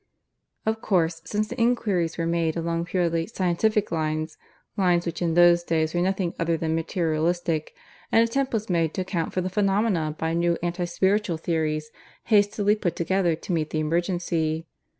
Of course, since the enquiries were made along purely 'scientific' lines lines which in those days were nothing other than materialistic an attempt was made to account for the phenomena by new anti spiritual theories hastily put together to meet the emergency.